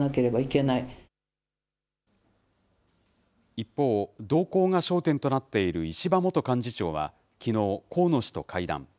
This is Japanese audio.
一方、動向が焦点となっている石破元幹事長は、きのう、河野氏と会談。